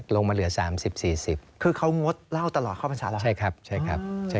ลงมาเหลือ๓๐๔๐คือเขางดเล่าตลอดเข้าปัญศาแล้วใช่ครับ